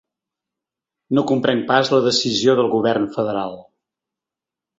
No comprenc pas la decisió del govern federal.